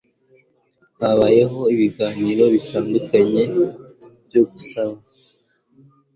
habayeho ibiganiro bitandukanye byo gusaba